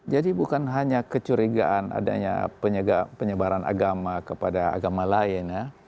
jadi bukan hanya kecurigaan adanya penyebaran agama kepada agama lain ya